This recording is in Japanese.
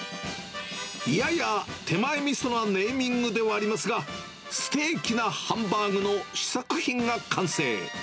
やや手前みそなネーミングではありますが、ステーキなハンバーグの試作品が完成。